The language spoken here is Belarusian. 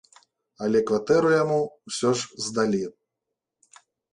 Але кватэру яму ўсё ж здалі.